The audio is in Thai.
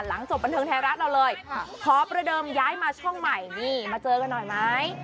จบบันเทิงไทยรัฐเราเลยขอประเดิมย้ายมาช่องใหม่นี่มาเจอกันหน่อยไหม